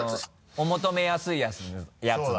お求めやすいやつね。